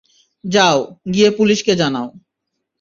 যাও, গিয়ে পুলিশকে জানাও।